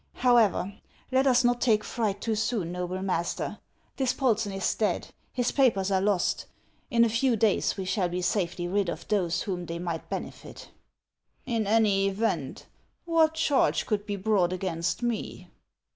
However, let us not take fright too soon, noble master. Dispolsen is dead, his papers are lost ; in a few days we shall be safely rid of those whom they might benefit." " In any event, what charge could be brought against me?"